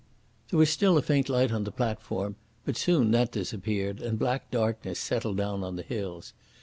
There was still a faint light on the platform, but soon that disappeared and black darkness settled down on the hills.